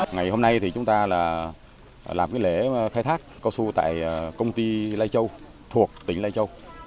ngày hôm nay thì chúng ta làm lễ khai thác casu tại công ty lai châu thuộc tỉnh lai châu